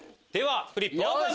フリップオープン！